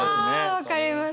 分かります！